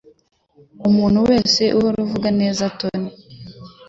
Umuntu wese ahora avuga neza Tony.